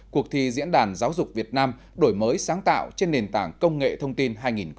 cuộc thi diễn đàn giáo dục việt nam đổi mới sáng tạo trên nền tảng công nghệ thông tin hai nghìn một mươi chín